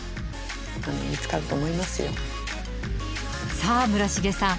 さあ村重さん